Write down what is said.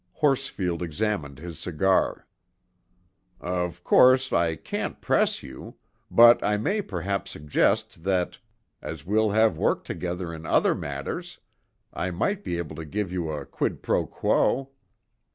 Horsfield examined his cigar. "Of course, I can't press you; but I may perhaps suggest that as we'll have to work together in other matters, I might be able to give you a quid pro quo."